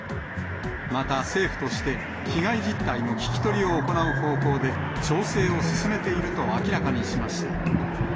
また政府として、被害実態の聞き取りを行う方向で、調整を進めていると明らかにしました。